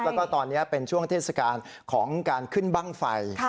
แล้วก็ตอนนี้เป็นช่วงเทศกาลของการขึ้นบ้างไฟ